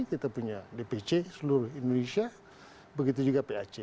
kita punya dpc seluruh indonesia begitu juga pac